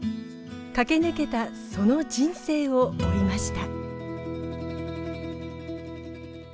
駆け抜けたその人生を追いました。